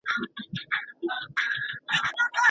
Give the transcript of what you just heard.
مسلمانانو د مرييانو ازادول خپله دنده وګڼله.